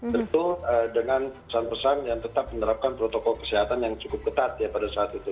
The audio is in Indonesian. tentu dengan pesan pesan yang tetap menerapkan protokol kesehatan yang cukup ketat ya pada saat itu